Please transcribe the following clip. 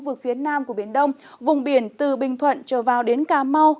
ở phía nam của biển đông vùng biển từ bình thuận trở vào đến cà mau